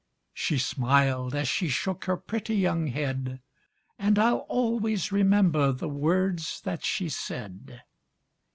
She smiled as she shook Her pretty young head, And I'll always remember The words that she said.